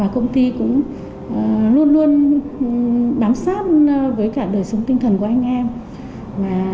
công ty luôn luôn đáng sát với cả đời sống tinh thần của anh em